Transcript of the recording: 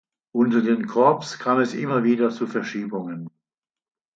Unter den Korps kam es immer wieder zu Verschiebungen.